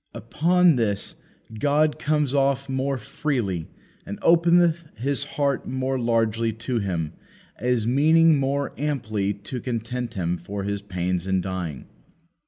Upon this God comes off more freely, and openeth His heart more largely to Him, as meaning more amply to content Him for His pains in dying.